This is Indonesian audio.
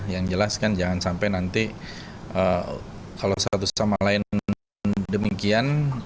yang jelas kan jangan sampai nanti kalau satu sama lain demikian